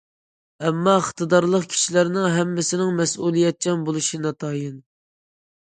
ئەمما ئىقتىدارلىق كىشىلەرنىڭ ھەممىسىنىڭ مەسئۇلىيەتچان بولۇشى ناتايىن.